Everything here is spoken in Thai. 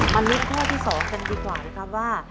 ลุ้นข้อที่๒กันดีกว่านะครับว่า